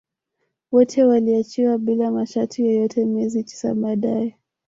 Wote waliachiwa bila masharti yoyote miezi tisa baadae